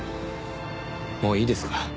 もういいですか？